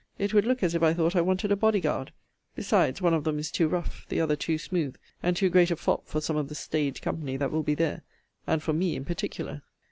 It would look as if I thought I wanted a bodyguard: besides, one of them is too rough, the other too smooth, and too great a fop for some of the staid company that will be there; and for me in particular.